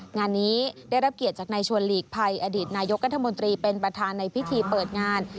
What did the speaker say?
งานนี้ได้รับเกียรติจากนายชวนหลีกภัยอดีตนายกรัฐมนตรีเป็นประธานในพิธีเปิดงาน